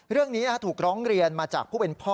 เรื่องนี้ถูกร้องเรียนมาจากผู้เป็นพ่อ